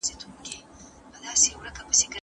دغه ادب کمیت ډېر خو کیفیت یې کم و.